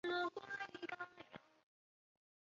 布朗克福塞。